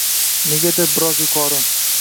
negadir biroz yuqori